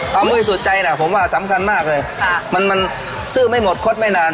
ความอุ่นสุดใจน่ะผมว่าสำคัญมากเลยค่ะมันมันซื่อไม่หมดคลดไม่นาน